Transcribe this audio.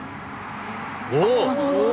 おっ！